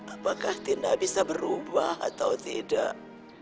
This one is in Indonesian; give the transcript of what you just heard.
apakah tindak bisa berubah atau tidak